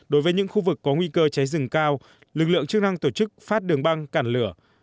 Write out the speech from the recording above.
đối với những khu vực có nguy cơ cháy rừng cao lực lượng chức năng tổ chức phát đường băng cản lửa